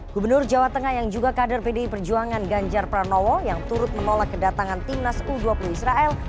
gubernur jawa tengah yang juga kader pdi perjuangan ganjar pranowo yang turut menolak kedatangan timnas u dua puluh israel